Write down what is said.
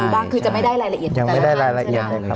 บ้างคือจะไม่ได้รายละเอียดยังไม่ได้รายละเอียดเลยครับ